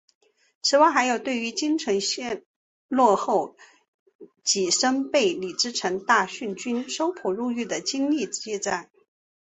此外还有对于京城陷落后己身被李自成大顺军搜捕入狱的经历记载。